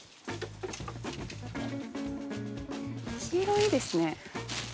黄色いいですね。